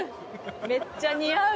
めっちゃ似合う！